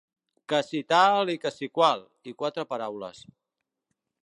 Que si tal i que si qual, i quatre paraules